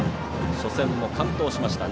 初戦も完投しました。